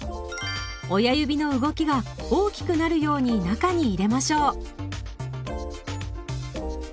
親指の動きが大きくなるように中に入れましょう。